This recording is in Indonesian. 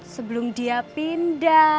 sebelum dia pindah